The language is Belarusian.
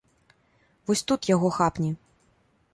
Вось тут яго хапні!